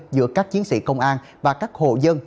giữa các chiến sĩ công an và các hộ dân